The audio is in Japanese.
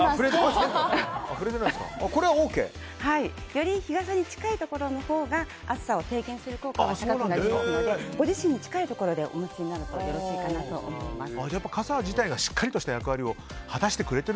より日傘に近いほうが暑さを低減する効果が高くなりますのでご自身に近いところでお持ちになるといいと思います。